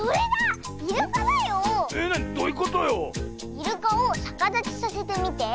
イルカをさかだちさせてみて。